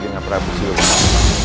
dengan prabu siluwangi